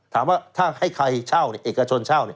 ถามว่าถ้าให้ใครเช่าเอกชนเช่า